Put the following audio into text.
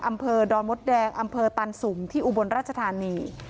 อำเภอดอนมดแดงอำเภอตันสุ่มที่อุบลราชธานี